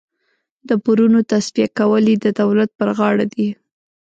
د پورونو تصفیه کول یې د دولت پر غاړه دي.